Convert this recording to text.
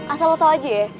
asal lo tau aja ya